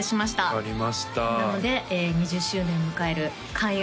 分かりましたなので２０周年を迎える開運